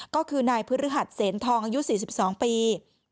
ก็คือนายพฤหัสเสนทองอายุ๔๒ปี